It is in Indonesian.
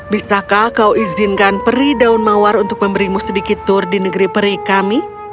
bisakah kau izinkan peri daun mawar untuk memberimu sedikit tur di negeri peri kami